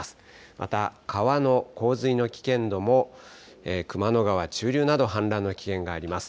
また川の洪水の危険度も熊野川中流など氾濫の危険があります。